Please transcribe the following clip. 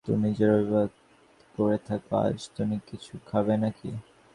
তুমি যে রবিবার করে থাক, আজ তুমি কিছু খাবে নাকি?